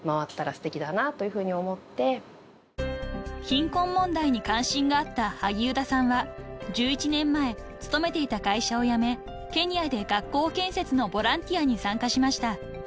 ［貧困問題に感心があった萩生田さんは１１年前勤めていた会社を辞めケニアで学校建設のボランティアに参加しました］